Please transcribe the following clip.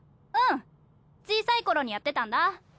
うん小さい頃にやってたんだ。